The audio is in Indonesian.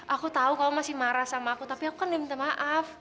aku tahu kamu masih marah sama aku tapi aku kan dia minta maaf